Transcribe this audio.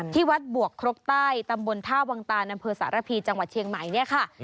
ที่วัดบวกครกใต้ตำบลท่าวังตานอำเภอสารพีจังหวัดเชียงใหม่เนี่ยค่ะ